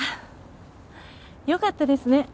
よかったですね。